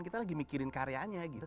kita lagi mikirin karyanya gitu